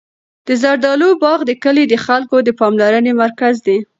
د زردالو باغ د کلي د خلکو د پاملرنې مرکز دی.